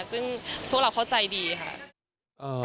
ซึ่งพวกเราเข้าใจดีค่ะ